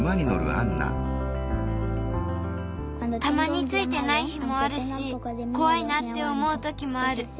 たまについてない日もあるしこわいなっておもうときもある。